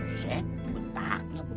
ustaz mentahnya begitu apa ya